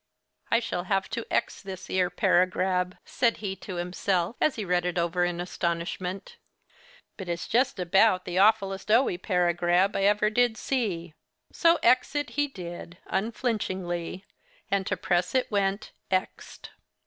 'I shell have to x this ere paragrab,' said he to himself, as he read it over in astonishment, 'but it's jest about the awfulest o wy paragrab I ever did see': so x it he did, unflinchingly, and to press it went x ed.